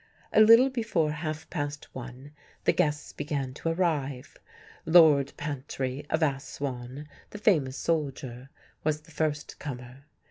A little before half past one the guests began to arrive. Lord Pantry of Assouan, the famous soldier, was the first comer.